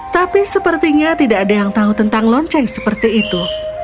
tapi sepertinya tidak ada yang tahu tentang lonceng seperti itu